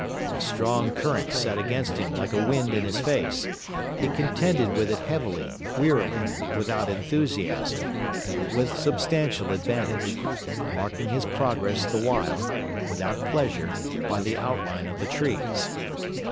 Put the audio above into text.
A strong current set against him like a wind in his face; he contended with it heavily, wearily, without enthusiasm, but with substantial advantage; marking his progress the while, without pleasure, by the outline of the trees.